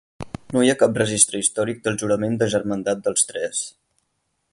No hi ha cap registre històric del jurament de germandat dels tres.